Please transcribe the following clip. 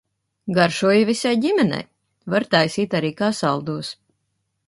Garšoja visai ģimenei. Var taisīt arī kā saldos.